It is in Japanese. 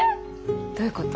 どういうこと？